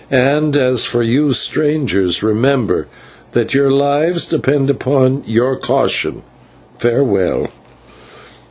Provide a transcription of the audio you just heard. And as for you, strangers, remember that your lives depend upon your caution. Farewell."